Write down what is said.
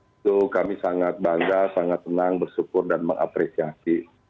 itu kami sangat bangga sangat senang bersyukur dan mengapresiasi